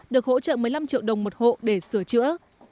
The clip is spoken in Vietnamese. được hỗ trợ một mươi năm triệu đồng một hộ để sửa chữa